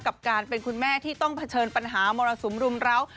กับการเป็นคุณแม่ที่ต้องเผชิญปัญหามรสุมรุมร้าว